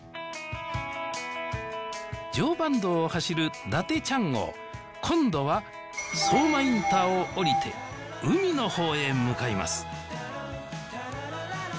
常磐道を走る伊達ちゃん号今度は相馬インターを降りて海のほうへ向かいます